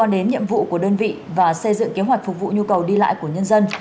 đến nhiệm vụ của đơn vị và xây dựng kế hoạch phục vụ nhu cầu đi lại của nhân dân